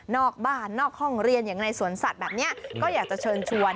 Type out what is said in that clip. นอกบ้านนอกห้องเรียนอย่างในสวนสัตว์แบบนี้ก็อยากจะเชิญชวน